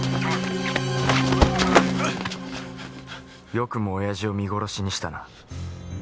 よくも親父を見殺しにしたな。